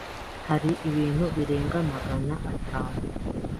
hari ibintu birenga Magana atanu